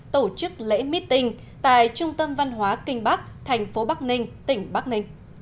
tổ chức lễ meeting tại trung tâm văn hóa kinh bắc tp bắc ninh tỉnh bắc ninh